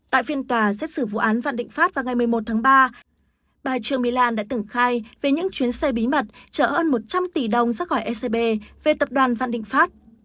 tại phiên tòa xét xử vụ án vạn định pháp vào ngày một mươi một tháng ba bài trường milan đã tửng khai về những chuyến xe bí mật trở hơn một trăm linh tỷ đồng ra khỏi ecb về tập đoàn vạn định pháp